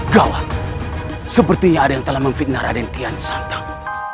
gawat sepertinya ada yang telah memfitnah raden kian santap